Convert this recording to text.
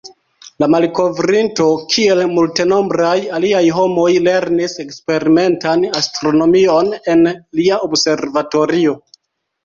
La malkovrinto, kiel multenombraj aliaj homoj, lernis eksperimentan astronomion en lia observatorio.